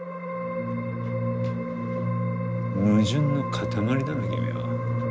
矛盾の塊だな君は。